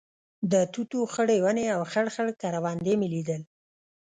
د توتو خړې ونې او خړ خړ کروندې مې لیدل.